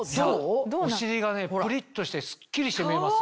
お尻がプリっとしてスッキリして見えますよ。